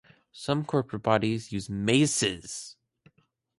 Some corporate bodies use maces.